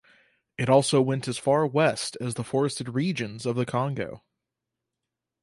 It also went as far west as the forested regions of the Congo.